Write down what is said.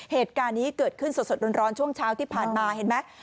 เหตุการณ์นี้เกิดขึ้นสดร้อนช่วงเช้าที่ผ่านมาเห็นไหม